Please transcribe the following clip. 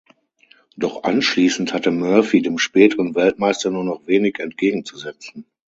Doch anschließend hatte Murphy dem späteren Weltmeister nur noch wenig entgegenzusetzen.